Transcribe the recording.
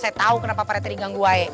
saya tahu kenapa parete digangguin